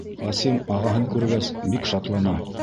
Ҡасим, ағаһын күргәс, бик шатлана.